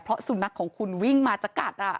เพราะสุนัขของคุณวิ่งมาจะกัด